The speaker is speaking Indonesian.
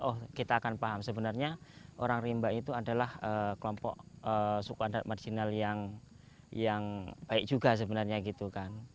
oh kita akan paham sebenarnya orang rimba itu adalah kelompok suku adat marginal yang baik juga sebenarnya gitu kan